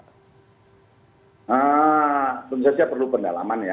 nah tentu saja perlu pendalaman ya